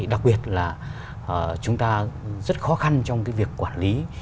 đặc biệt là chúng ta rất khó khăn trong cái việc quản lý